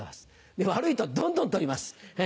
で悪いとどんどん取ります。